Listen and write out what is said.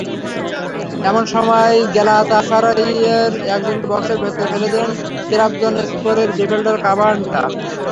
এমন সময় গ্যালাতাসারাইয়ের একজনকে বক্সের ভেতর ফেলে দিলেন ত্রাবজনস্পোরের ডিফেন্ডার কাভান্ডা।